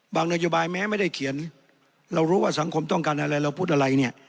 นโยบายแม้ไม่ได้เขียนเรารู้ว่าสังคมต้องการอะไรเราพูดอะไรเนี่ย